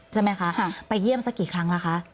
ใช่ไหมคะไปเยี่ยมสักกี่ครั้งแล้วคะ